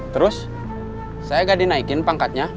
terus saya nggak dinaikin pangkatnya